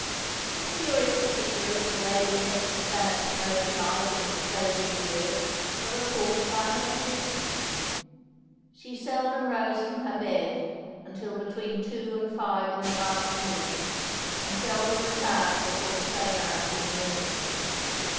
Some curious particulars of Lady Hester Stanhope's mode of life in its closing years are recorded by her physician. She seldom rose from her bed until between two and five in the afternoon, and seldom retired before the same hours in the morning.